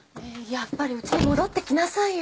やっぱりうちに戻ってきなさいよ。